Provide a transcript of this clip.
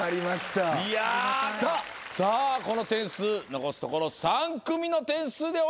さあこの点数残すところ３組の点数で終わりです。